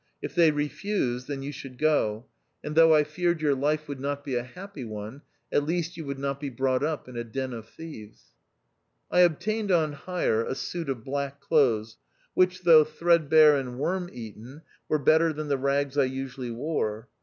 If they re fused, then you should go ; and though I THE OUTCAST. 227 feared your life would not be a happy one, at least you would not be brought up in a den of thieves. I obtained on hire a suit of black clothes, which, though threadbare and worm eaten, were better than the rags I usually wore.